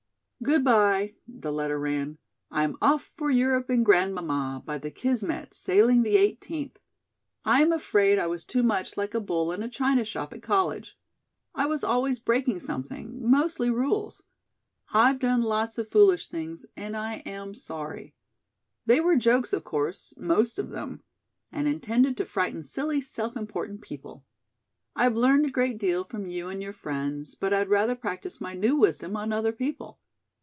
"Good bye," the letter ran. "I'm off for Europe and Grandmamma, by the Kismet, sailing the eighteenth. I am afraid I was too much like a bull in a china shop at college. I was always breaking something, mostly rules. I've done lots of foolish things, and I am sorry. They were jokes, of course, most of them, and intended to frighten silly self important people. I've learned a great deal from you and your friends, but I'd rather practice my new wisdom on other people.